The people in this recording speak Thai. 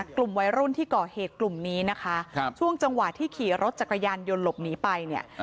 กลุ่มวัยรุ่นที่ก่อเหตุกลุ่มนี้นะคะช่วงจังหวะที่ขี่รถจักรยานยนต์หลบหนีไปเนี่ย